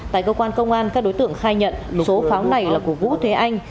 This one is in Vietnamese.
tại cơ quan công an các đối tượng khai nhận số pháo này là của vũ thế anh